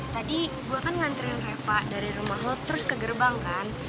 tadi gue kan ngantriin reva dari rumah lo terus ke gerbang kan